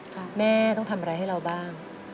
แม่ต้องทำอะไรให้เราบ้าง